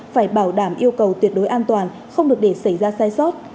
phải bảo đảm yêu cầu tuyệt đối an toàn không được để xảy ra sai sót